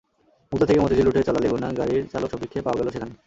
মুগদা থেকে মতিঝিল রুটে চলা লেগুনা গাড়ির চালক শফিককে পাওয়া গেল সেখানে।